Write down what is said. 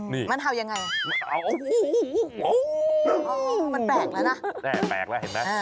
นี่มันเห่ายังไงมันเห่าโอ้โฮโอ้โฮมันแปลกแล้วนะแปลกแล้วเห็นไหม